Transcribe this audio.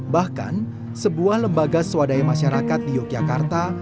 bahkan sebuah lembaga swadaya masyarakat di yogyakarta